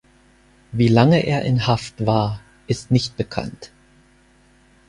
Wie lange er in Haft war, ist nicht bekannt.